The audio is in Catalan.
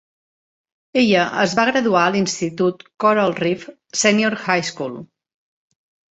Ella es va graduar a l'institut Coral Reef Senior High School.